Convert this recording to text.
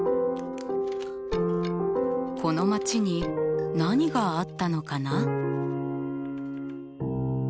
この街に何があったのかな？